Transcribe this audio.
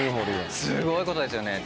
すごいことですよね。